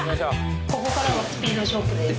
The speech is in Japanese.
ここからはスピード勝負です。